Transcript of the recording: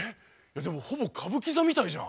でもほぼ歌舞伎座みたいじゃん。